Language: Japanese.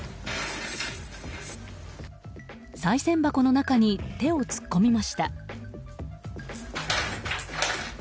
さい銭箱の中に手を突っ込みました。